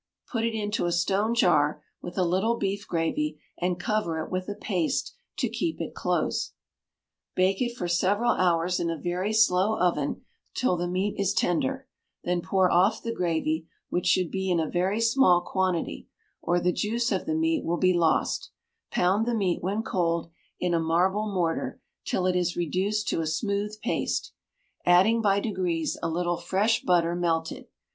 Put it into a stone jar with a little beef gravy, and cover it with a paste to keep it close. Bake it for several hours in a very slow oven till the meat is tender; then pour off the gravy, which should be in a very small quantity, or the juice of the meat will be lost; pound the meat, when cold, in a marble mortar till it is reduced to a smooth paste, adding by degrees a little fresh butter melted.